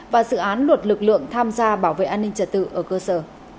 và dự án luật lực lượng tham gia bảo vệ an ninh trật tự ở cơ sở